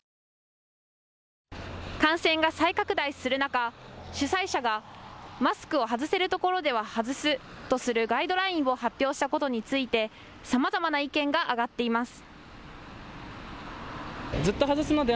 感染が再拡大する中、主催者がマスクを外せるところでは外すとするガイドラインを発表したことについてさまざまな意見が上がっています。